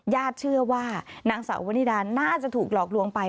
ญาติเชื่อว่านางสาววนิดาน่าจะถูกหลอกลวงไป